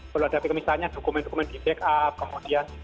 perlu ada misalnya dokumen dokumen di backup kemudian